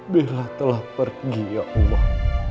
bila telah pergi ya allah